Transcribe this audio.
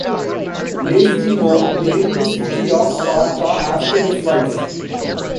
Lacedaemon named the city of Sparta after his wife.